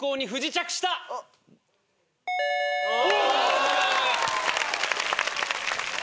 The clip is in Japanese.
お！